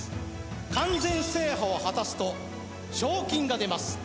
完全制覇を果たすと賞金が出ます